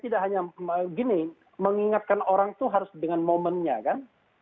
tidak hanya gini mengingatkan orang itu harus dengan momennya kan